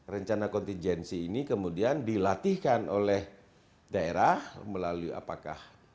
rencana kontingensi ini kemudian dilatihkan oleh daerah melalui apakah